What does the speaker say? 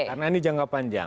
karena ini jangka panjang